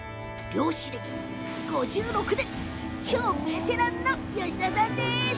漁師歴５６年超ベテランの吉田さんです。